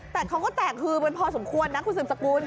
แต่เขาก็แตกคือเป็นพอสมควรนะคุณผู้ชมสกุล